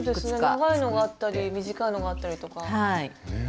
長いのがあったり短いのがあったりとか。